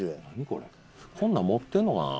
こんなん持ってるのかな？